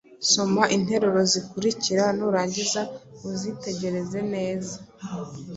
Soma interuro zikurikira nurangiza uzitegereze neza